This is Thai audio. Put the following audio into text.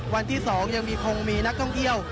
วันที่๒ยังคงมีนักท่องเที่ยว